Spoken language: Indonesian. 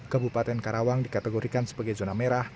kabupaten karawang dikategorikan sebagai zona merah